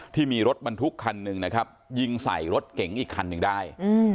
ที่มีรถบรรทุกคันหนึ่งนะครับยิงใส่รถเก๋งอีกคันหนึ่งได้